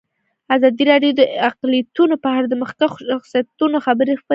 ازادي راډیو د اقلیتونه په اړه د مخکښو شخصیتونو خبرې خپرې کړي.